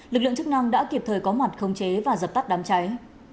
lực lượng chức năng đã kịp thời có mặt không chế và giật tắt đám cháy